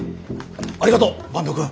ありがとう坂東くん。